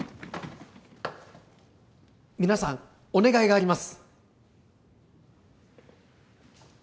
皆さんお願いがあります